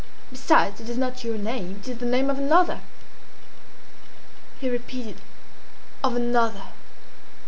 Besides, it is not your name; it is the name of another!" He repeated, "of another!"